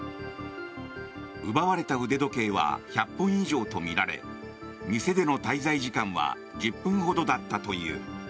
奪われた腕時計は１００本以上とみられ店での滞在時間は１０分ほどだったという。